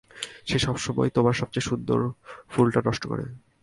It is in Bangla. সে সবসময় তোমার সবচেয়ে সুন্দর ফুলটা নষ্ট করে।